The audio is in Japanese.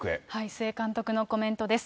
須江監督のコメントです。